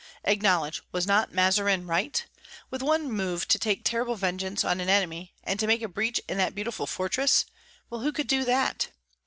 Acknowledge, was not Mazarin right? With one move to take terrible vengeance on an enemy, and to make a breach in that beautiful fortress, well, who could do that?